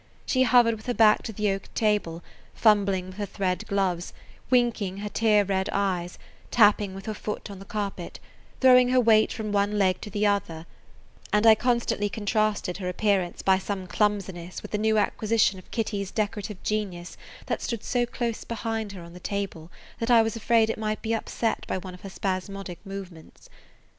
She hovered with her back to the oak table, fumbling with her thread gloves, winking her tear red eyes, tapping with her foot on the carpet, throwing her weight from one leg to the other, and I constantly contrasted her appearance by some clumsiness with the new acquisition of Kitty's decorative genius that stood so close behind her on the table that I was afraid it might be upset by one of her spasmodic movements.